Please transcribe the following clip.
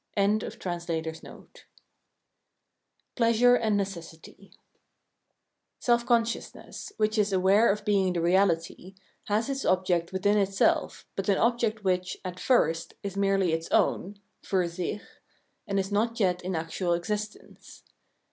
] 349 Pleasuee and Necessity Self consciousness, which, is aware of being the reahty, has its object within itself, but an object which, at first, is merely its own {fur sicli), and is not yet in actual existence.